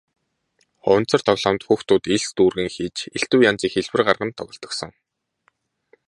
Хуванцар тоглоомд хүүхдүүд элс дүүргэн хийж элдэв янзын хэлбэр гарган тоглодог сон.